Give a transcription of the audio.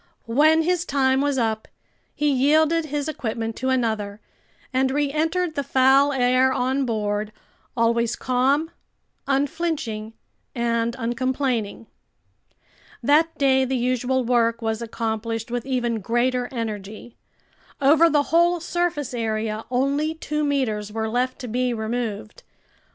When his time was up, he yielded his equipment to another and reentered the foul air on board, always calm, unflinching, and uncomplaining. That day the usual work was accomplished with even greater energy. Over the whole surface area, only two meters were left to be removed.